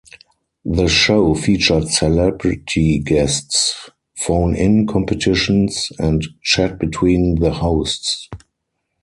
The show featured celebrity guests, phone-in competitions and chat between the hosts.